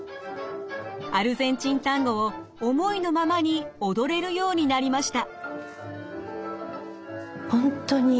アルゼンチンタンゴを思いのままに踊れるようになりました。